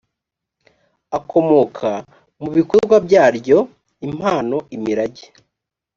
akomoka mu bikorwa byaryo impano imirage